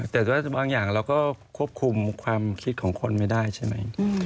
แต่ว่าบางอย่างเราก็ควบคุมความคิดของคนไม่ได้ใช่ไหม